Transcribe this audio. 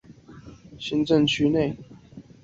东两河遗址位于此行政区内。